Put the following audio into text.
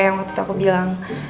yang waktu itu aku bilang